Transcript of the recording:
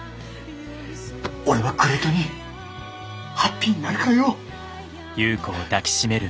俺はグレイトにハッピーになるからよ！